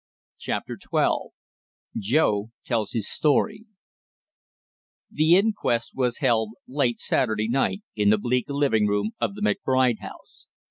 CHAPTER TWELVE JOE TELLS HIS STORY The inquest was held late Saturday afternoon in the bleak living room of the McBride house.